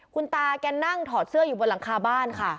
คุณตาแกนั่งถอดเสื้ออยู่บนหลังคาบ้านค่ะ